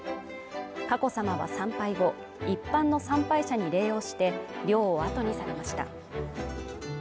佳子さまは参拝後一般の参拝者に礼をして陵をあとにされました